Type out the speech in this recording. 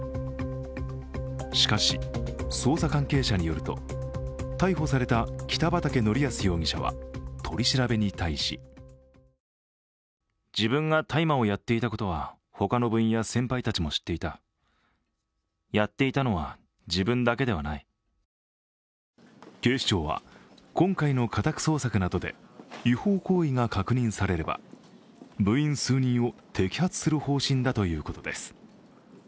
しかし、捜査関係者によると、逮捕された北畠成文容疑者は、取り調べに対し警視庁は今回の家宅捜索などで違法行為が確認されれば、部員数人を摘発する方針だということです。